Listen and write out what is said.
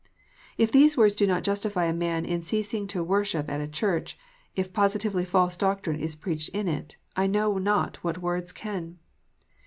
If these words do not justify a man in ceasing to worship at a church, if positively false doctrine is preached in it, I know not what words can.